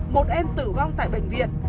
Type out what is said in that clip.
một em tử vong tại bệnh viện